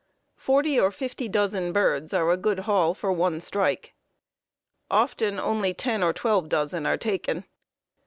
Forty or fifty dozen birds are a good haul for one "strike." Often only ten or twelve dozen are taken.